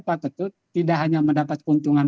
patut tidak hanya mendapat untungan